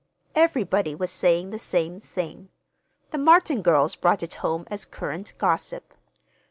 Everybody was saying the same thing. The Martin girls brought it home as current gossip.